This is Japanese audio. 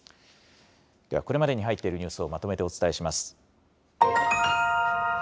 では、これまでに入っているニュースを、まとめてお伝えします。